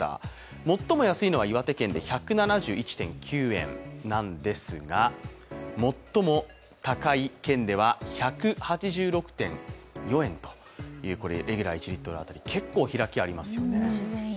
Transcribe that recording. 最も安いのは岩手県で１７１．９円なんですが最も高い県では１８６．４円とレギュラー１リットル当たり結構、開きありますよね。